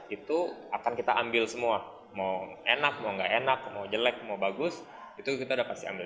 itu akan kita ambil semua mau enak mau nggak enak mau jelek mau bagus itu kita udah pasti ambil